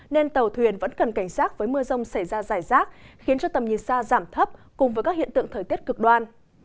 nên tàu thuyền vẫn cần cảnh sát với mưa rông xảy ra dài rác khiến tầm nhiệt sa giảm thấp cùng với các hiện tượng thời tiết cực đoan